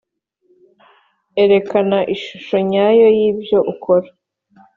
erekana ishusho nyayo yibyo ukora